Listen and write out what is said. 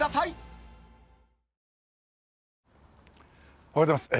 おはようございます。